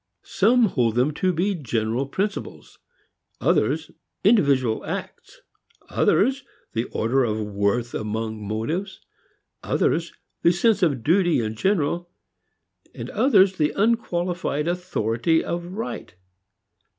Some hold them to be general principles, others individual acts, others the order of worth among motives, others the sense of duty in general, others the unqualified authority of right.